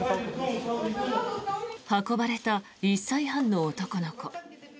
運ばれた１歳半の男の子。